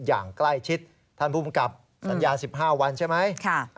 อย่างใกล้ชิดท่านภูมิกับสัญญา๑๕วันใช่ไหม